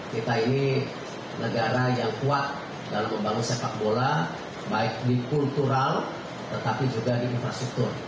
kita ini negara yang kuat dalam membangun sepak bola baik di kultural tetapi juga di infrastruktur